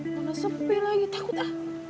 mana sepi lagi takut ah